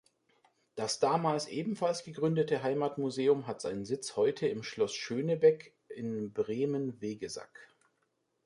Das damals ebenfalls gegründete Heimatmuseum hat seinen Sitz heute im Schloss Schönebeck in Bremen-Vegesack.